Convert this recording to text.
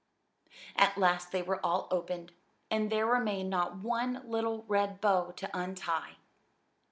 At last they were all opened, and there remained not one little red bow to untie.